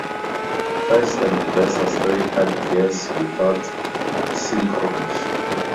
First and reverse are straight cut gears without synchromesh.